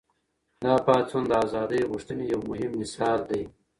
دا پاڅون د ازادۍ غوښتنې یو مهم مثال دی.